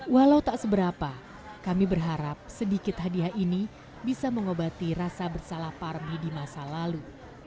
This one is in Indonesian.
walau tak seberapa kami berharap sedikit hadiah ini bisa mengobati rasa bersalah parmi di masa lalu